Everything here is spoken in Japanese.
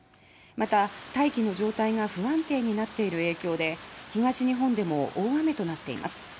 また、大気の状態が不安定になっている影響で東日本でも大雨となっています。